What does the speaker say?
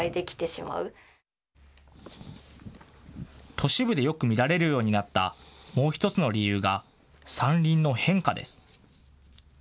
都市部でよく見られるようになったもう１つの理由が山林の変化です。